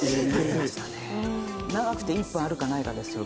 「長くて１分あるかないかですよ」